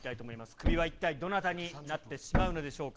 クビは一体どなたになってしまうのでしょうか。